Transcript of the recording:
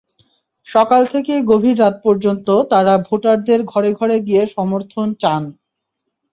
সকাল থেকে গভীর রাত পর্যন্ত তাঁরা ভোটারদের ঘরে ঘরে গিয়ে সমর্থন চান।